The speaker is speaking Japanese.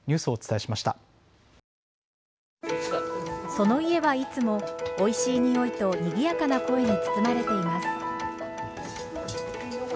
その家はいつもおいしい匂いとにぎやかな声に包まれています。